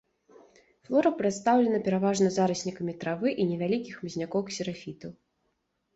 Флора прадстаўлена пераважна зараснікамі травы і невялікіх хмызнякоў-ксерафітаў.